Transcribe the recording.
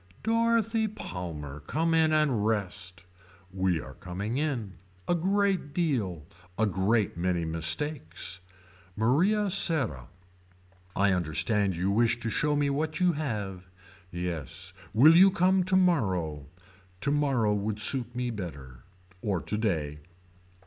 Dorothy Palmer Come in and rest. We are coming in. A great deal. A great many mistakes. Maria Serra. I understand you wish to show me what you have. Yes. Will you come tomorrow. Tomorrow would suit me better. Or today.